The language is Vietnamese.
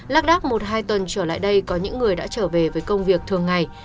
lắc đắc một hai tuần trở lại đây có những người đã trở về với công việc thường ngày